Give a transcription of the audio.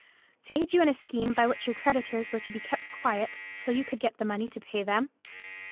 —to aid you in a scheme by which your creditors were to be kept quiet till you could get the money to pay them?